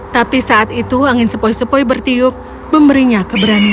tapi saat itu angin sepoi sepoi bertiup memberinya keberanian